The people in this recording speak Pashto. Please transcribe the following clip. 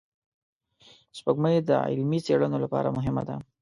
سپوږمۍ د علمي څېړنو لپاره مهمه ده